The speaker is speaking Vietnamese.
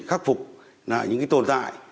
khắc phục lại những tồn tại